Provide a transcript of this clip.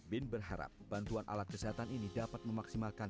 bin berharap bantuan alat kesehatan ini dapat memaksimalkan